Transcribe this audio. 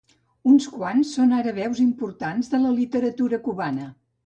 Uns quants són ara veus importants de la literatura cubana.